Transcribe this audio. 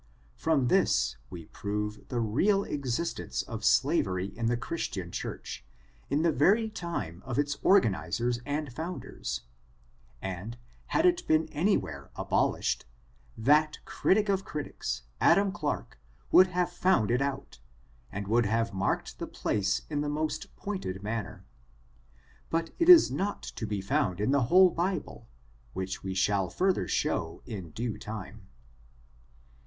From this, we prove the real existence of slavery in the Christian church, in the very time of its organizers and founders, and, had it been any where abolished, that critic of critics, Adam Clarke, would have fouad it out, and would have marked the place in the most pointed manner ; but it is not to be found in the whole Bible, which we shall further show in due time.